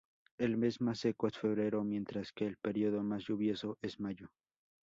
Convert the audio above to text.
El mes más seco es febrero, mientras que el período más lluvioso es mayo.